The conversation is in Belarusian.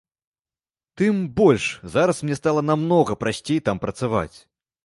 Тым больш, зараз мне стала намнога прасцей там працаваць.